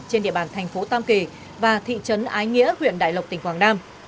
trên địa bàn tp tam kỳ và thị trấn ái nghĩa huyện đại lộc tỉnh quảng nam